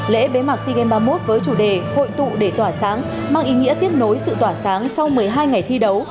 lễ bế mạc sea games ba mươi một với chủ đề hội tụ để tỏa sáng mang ý nghĩa tiếp nối sự tỏa sáng sau một mươi hai ngày thi đấu